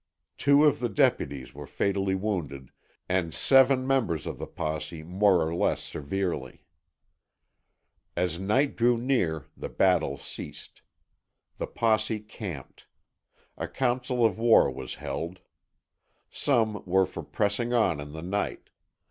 Two of the deputies were fatally wounded and seven members of the posse more or less severely. As night drew near the battle ceased. The posse camped. A council of war was held. Some were for pressing on in the night.